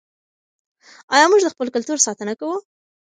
آیا موږ د خپل کلتور ساتنه کوو؟